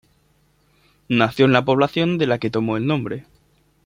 Nació en la población de la que tomó el nombre.